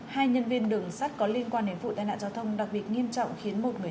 hai nhân viên đường sắt có liên quan đến vụ tai nạn giao thông đặc biệt nghiêm trọng khiến một người